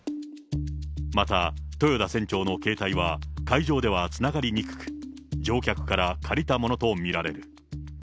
また豊田船長の携帯は、海上ではつながりにくく、乗客から借りたものとみられる。